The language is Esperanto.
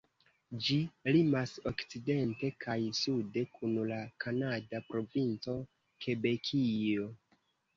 Ĝi limas okcidente kaj sude kun la kanada provinco Kebekio.